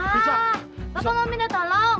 bapak mau minta tolong